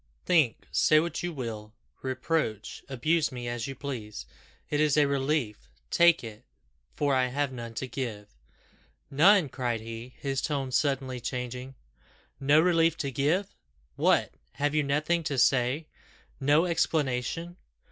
Think say what you will reproach abuse me as you please. It is a relief take it for I have none to give." "None!" cried he, his tone suddenly changing, "no relief to give! What! have you nothing to say? No explanation?